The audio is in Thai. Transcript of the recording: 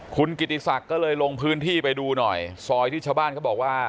คุณกิติศักดิ์ก็เลยลงพื้นที่ไปดูหน่อยซอยที่ชาวบ้านเขาบอกว่า